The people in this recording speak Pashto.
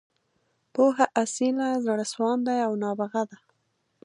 پوهه، اصیله، زړه سواندې او نابغه ده.